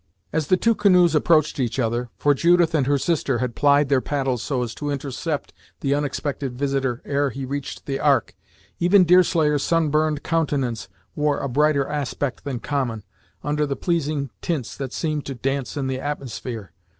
As the two canoes approached each other for Judith and her sister had plied their paddles so as to intercept the unexpected visiter ere he reached the Ark even Deerslayer's sun burned countenance wore a brighter aspect than common, under the pleasing tints that seemed to dance in the atmosphere.